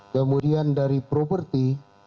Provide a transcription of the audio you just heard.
kemudian dari properti